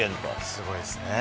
すごいですね。